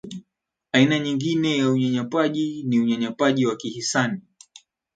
aina nyingine ya unyanyapaaji ni unyanyapaaji wa kihisani